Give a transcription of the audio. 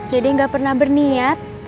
dede gak pernah berniat